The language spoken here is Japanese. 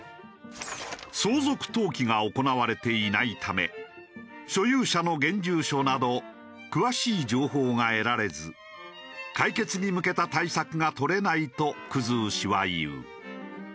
相続登記が行われていないため所有者の現住所など詳しい情報が得られず解決に向けた対策が取れないと生氏は言う。